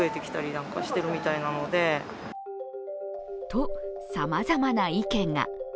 と、さまざまな意見が。